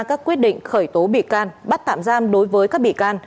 các quyết định khởi tố bị can bắt tạm giam đối với các bị can